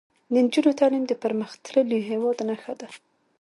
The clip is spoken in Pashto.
د نجونو تعلیم د پرمختللي هیواد نښه ده.